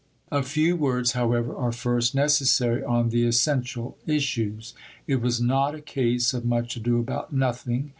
A few words, however, are first necessary on the essential issues; it was not a case of much ado about nothing.